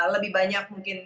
lebih banyak mungkin